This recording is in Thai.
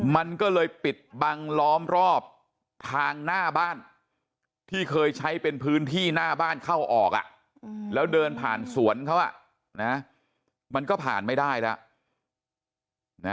มันก็เลยปิดบังล้อมรอบทางหน้าบ้านที่เคยใช้เป็นพื้นที่หน้าบ้านเข้าออกแล้วเดินผ่านสวนเขามันก็ผ่านไม่ได้แล้ว